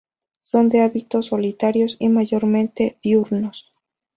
Son de hábitos solitarios y mayormente diurnos.